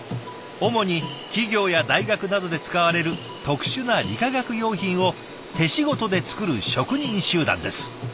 主に企業や大学などで使われる特殊な理化学用品を手仕事で作る職人集団です。